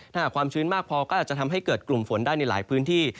ถ้าหากความชื้นมากพอก็อาจจะทำให้เกิดกลุ่มฝนได้ในหลายพื้นที่